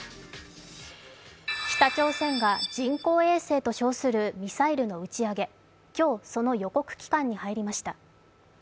北朝鮮が人工衛星と称するミサイルの打ち上げ、今日、その予告期間に入りました。